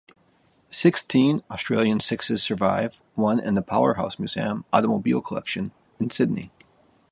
Sixteen Australian Sixes survive, one in the Powerhouse Museum automobile collection in Sydney.